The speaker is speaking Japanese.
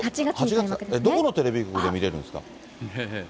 どこのテレビ局で見れるんですか？